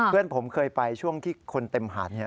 เพื่อนผมเคยไปช่วงที่คนเต็มหาด